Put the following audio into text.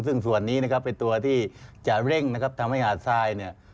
ซึ่งส่วนนี้เป็นตัวที่จะเร่งทำให้หาดทราย